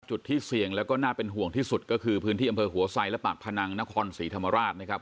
จุดที่เสี่ยงแล้วก็น่าเป็นห่วงที่สุดก็คือพื้นที่อำเภอหัวไซดและปากพนังนครศรีธรรมราชนะครับ